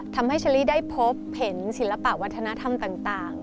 ทำให้เชอรี่ได้พบเห็นศิลปะวัฒนธรรมต่าง